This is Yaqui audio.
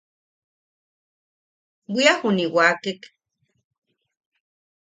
Bwia juni wakek.